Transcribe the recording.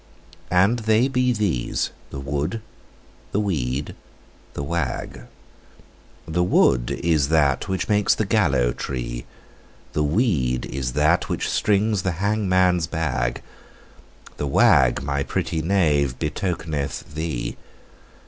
And they be these; the Wood, the Weed, the Wag:The Wood is that that makes the gallows tree; The Weed is that that strings the hangman's bag; The Wag, my pretty knave, betokens thee.